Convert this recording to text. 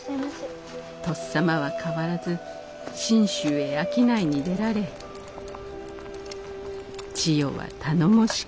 「とっさまは変わらず信州へ商いに出られ千代は頼もしく」。